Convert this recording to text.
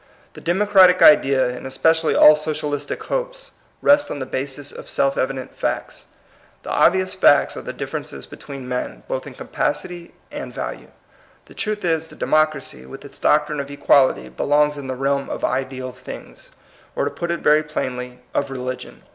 The democratic idea, and especially all socialistic hopes, rest on no basis of self evident facts. The obvious facts are the differences between men, both in capacity and value. The truth is, the democracy, with its doctrine of equality, belongs in the realm of ideal things, or, to put it very plainly, of religion.